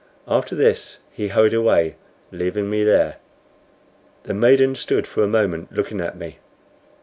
After this he hurried away, leaving me there. The maiden stood for a moment looking at me.